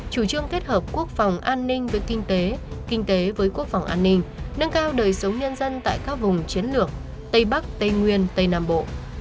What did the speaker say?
chủ trương kết hợp quốc phòng an ninh với kinh tế kinh tế với quốc phòng an ninh nâng cao đời sống nhân dân tại các vùng chiến lược tây bắc tây nguyên tây nam bộ